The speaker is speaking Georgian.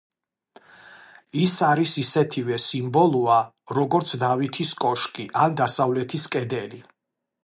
ის არის ისეთივე სიმბოლოა, როგორიც დავითის კოშკი ან დასავლეთის კედელი.